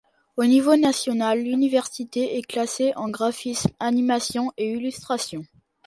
Au niveau national l'université est classé en graphisme, animation et illustration.